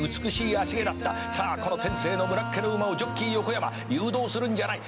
「さあこの天性のむらっ気の馬をジョッキー横山『誘導するんじゃない。